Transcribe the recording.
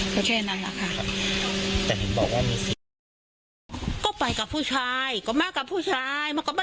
แค่แค่นั้นหลายค่ะ